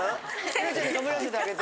未来ちゃんにかぶらせてあげて。